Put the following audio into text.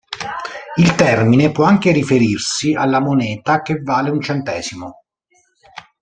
Il termine può anche riferirsi alla moneta che vale un centesimo.